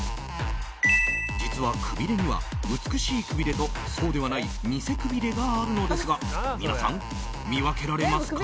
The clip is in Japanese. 実は、くびれには美しいくびれとそうではない偽くびれがあるのですが皆さん、見分けられますか？